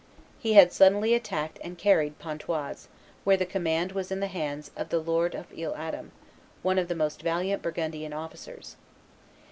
He had suddenly attacked and carried Pontoise, where the command was in the hands of the lord of Isle Adam, one of the most valiant Burgundian officers.